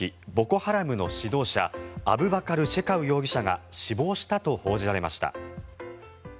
・ハラムの指導者アブバカル・シェカウ容疑者が死亡したと報じられました。